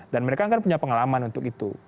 dan mereka kan punya pengalaman untuk itu